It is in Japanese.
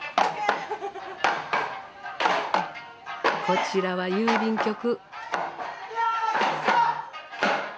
こちらは郵便局。